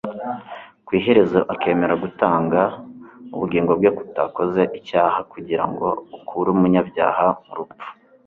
ku iherezo akemera gutanga ubugingo bwe butakoze icyaha kugira ngo akure umunyabyaha mu rupfu